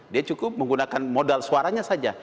dia cukup menggunakan modal suaranya saja